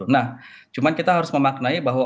nah cuman kita harus memaknai bahwa